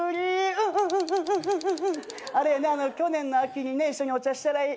あれやね去年の秋にね一緒にお茶した以来で。